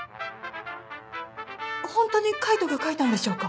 本当に海斗が書いたんでしょうか？